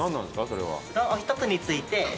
それは。